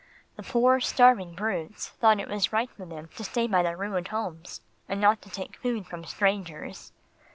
The poor starving brutes thought it was right for them to stay by their ruined homes, and not to take food from strangers."